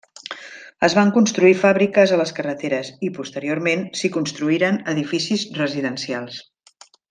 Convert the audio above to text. Es van construir fàbriques a les carreteres i, posteriorment, s'hi construïren edificis residencials.